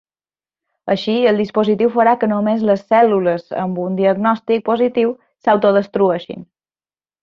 Així, el dispositiu farà que només les cèl·lules amb un diagnostic "positiu" s'autodestrueixin.